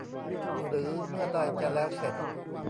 หรือเมื่อใดจะแล้วเสร็จ